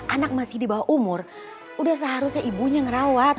anak masih di bawah umur udah seharusnya ibunya ngerawat